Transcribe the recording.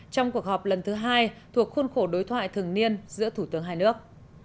trong cuộc họp lần thứ hai thuộc khuôn khổ đối thoại thường niên giữa thủ tướng hai nước